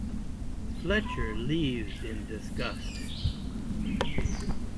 Fletcher leaves in disgust.